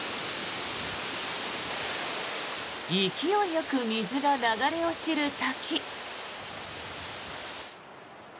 勢いよく水が流れ落ちる滝。